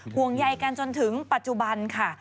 ห่วงใยกันจนถึงปัจจุบันค่ะ